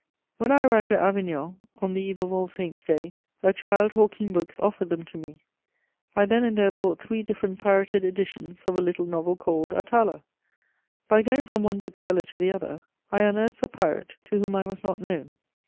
] When I arrived at Avignon, on the eve of All Saints' Day, a child hawking books offered them to me: I then and there bought three different pirated editions of a little novel called Atala. By going from one bookseller to the other, I unearthed the pirate, to whom I was not known.